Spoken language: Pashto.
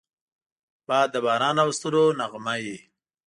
باد د باران راوستلو نغمه وي